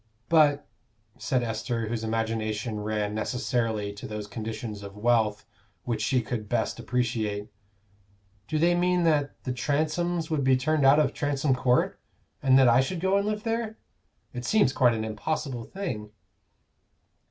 "But," said Esther, whose imagination ran necessarily to those conditions of wealth which she could best appreciate, "Do they mean that the Transomes would be turned out of Transome Court, and that I should go and live there? It seems quite an impossible thing."